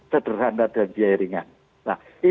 cederhana dan biaya ringan